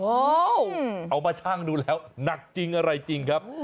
เอามาชั่งดูแล้วหนักจริงอะไรจริงครับ